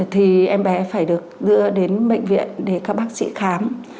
thì em bé phải được đưa đến bệnh viện để các bác sĩ khám